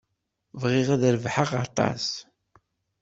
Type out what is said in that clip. Bɣiɣ ad rebḥeɣ aṭas.